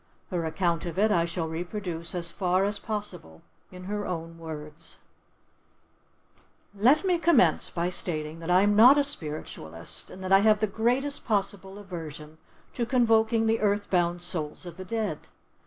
Her account of it I shall reproduce as far as possible in her own words:— Let me commence by stating that I am not a spiritualist, and that I have the greatest possible aversion to convoking the earthbound souls of the dead.